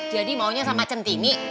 jadi maunya sama centingi